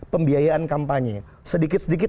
pembiayaan kampanye sedikit sedikit